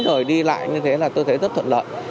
rồi đi lại như thế là tôi thấy rất thuận lợi